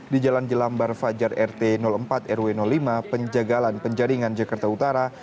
di jalan jelambar fajar rt empat rw lima penjagalan penjaringan jakarta utara